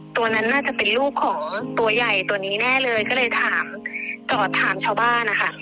ตัวนั้นน่าจะเป็นลูกของตัวใหญ่ตัวนี้แน่เลยก็เลยถามจอดถามชาวบ้านนะคะ